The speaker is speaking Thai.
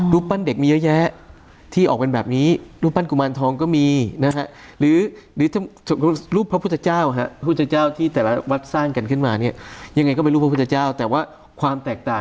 รูปปั้นเด็กมีเยอะแยะที่ออกเป็นแบบนี้รูปปั้นกุมารทองก็มีหรือรูปพระพุทธเจ้าที่แต่ละวัดสร้างกันขึ้นมา